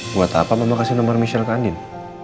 buat apa mama kasih nomer michelle ke andien